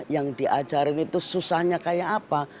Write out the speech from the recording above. yang diajarin itu susahnya kayak apa